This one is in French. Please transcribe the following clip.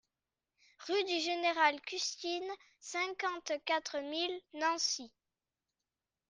Rue du Général Custine, cinquante-quatre mille Nancy